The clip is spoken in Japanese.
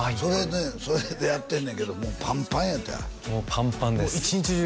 それでやってんねんけどもうパンパンやってもうパンパンです一日中